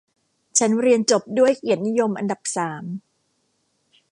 ฉันเรียนจบด้วยเกียรตินิยมอันดับสาม